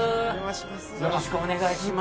よろしくお願いします。